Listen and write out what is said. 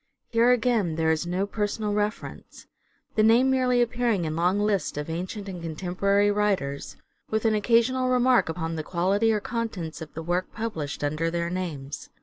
Here, again, there is no personal reference : the name merely appearing in long lists of ancient and contemporary writers with an occasional remark upon the quality or contents of the work published under their names.